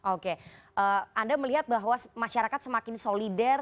oke anda melihat bahwa masyarakat semakin solidar